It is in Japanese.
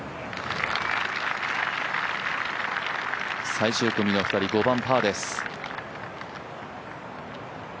最終組の２人、５番パーです。